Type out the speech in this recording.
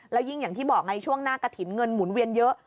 แล้วยิ่งอย่างที่บอกไงช่วงหน้ากระถิ่นเงินหมุนเวียนเยอะ